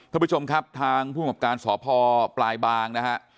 ท่านผู้ชมครับทางผู้หมาบการสพปลายบาง